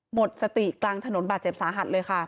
หมดสติกลางถนนบาดเจ็บสาหัสเลยค่ะ